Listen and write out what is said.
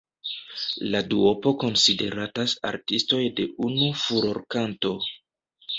La duopo konsideratas artistoj de unu furorkanto.